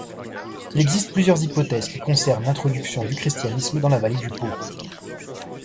Il existe plusieurs hypothèses, qui concernent l’introduction du christianisme dans la vallée du Pô.